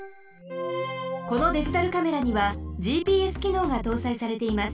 このデジタルカメラにはＧＰＳきのうがとうさいされています。